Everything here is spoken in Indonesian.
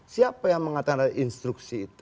siapa yang mengatakan ada instruksi itu